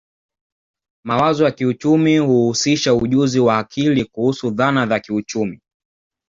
Mawazo ya kiuchumi huhusisha ujuzi wa akili kuhusu dhana za kiuchumi